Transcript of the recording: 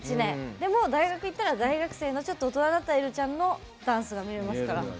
でも、大学行ったら大学生の、ちょっと大人になったえるさんのダンスが見られますから。